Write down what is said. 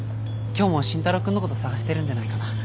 今日も慎太郎君のこと捜してるんじゃないかな。